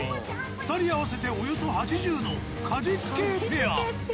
２人合わせておよそ８０の果実系ペア